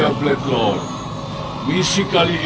sampai kapan kalian akan mengecewakan aku